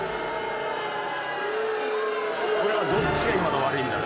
これはどっちが今の悪いんだ？